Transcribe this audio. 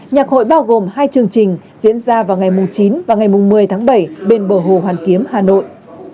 nhạc hội bao gồm hai chương trình diễn ra vào ngày chín và ngày một mươi tháng bảy bên bờ hồ hoàn kiếm hà nội